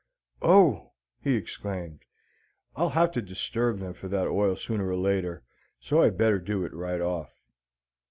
"Oh," he exclaimed, "I'll have to disturb them for that oil sooner or later, so I'd better do it right off."